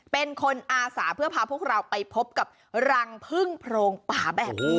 เป็นคนอาสาเพื่อพาพวกเราไปพบกับรังพึ่งโพรงป่าแบบนี้